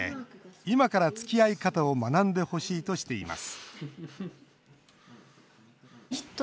今から、つきあい方を学んでほしいとしています